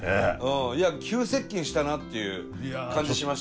いや急接近したなっていう感じしましたね。